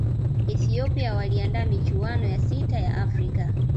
ethiopia waliandaa michuano ya sita ya afrika